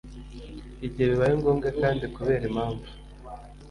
Igihe bibaye ngombwa kandi kubera impamvu